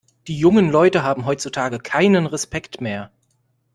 Die jungen Leute haben heutzutage keinen Respekt mehr!